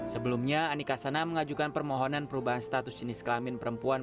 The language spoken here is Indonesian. sebelumnya anika sana mengajukan permohonan perubahan status jenis kelamin perempuan